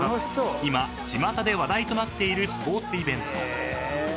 今ちまたで話題となっているスポーツイベント］